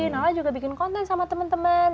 nala juga bikin konten sama temen temen